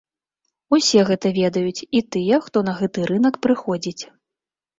Усе гэта ведаюць, і тыя, хто на гэты рынак прыходзіць.